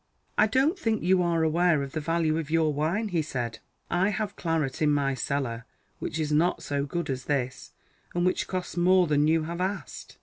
"I don't think you are aware of the value of your wine," he said. "I have claret in my cellar which is not so good as this, and which costs more than you have asked.